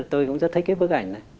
tôi cũng rất thích cái bức ảnh này